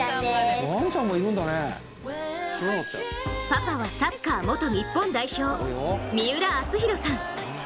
パパはサッカー元日本代表三浦淳寛さん。